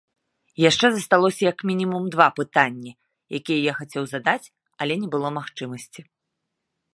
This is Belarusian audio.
Яшчэ засталося як мінімум два пытанні, якія я хацеў задаць, але не было магчымасці.